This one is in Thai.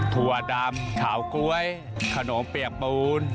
ถั่วดำเฉาก๊วยขนมเปียกปูน